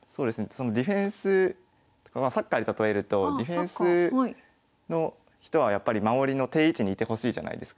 そのディフェンスサッカーに例えるとディフェンスの人は守りの定位置にいてほしいじゃないですか。